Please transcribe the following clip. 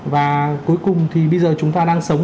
và cuối cùng thì bây giờ chúng ta đang sống